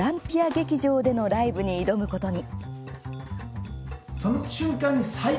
劇場でのライブに挑むことに。